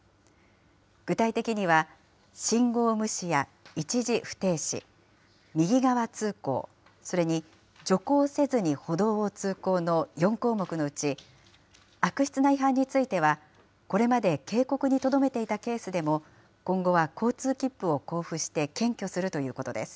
具体的には、信号無視や一時不停止、右側通行、それに、徐行せずに歩道を通行の４項目のうち、悪質な違反については、これまで警告にとどめていたケースでも、今後は交通切符を交付して検挙するということです。